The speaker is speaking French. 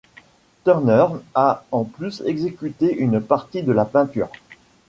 Turner a en plus exécuté une partie de la peinture.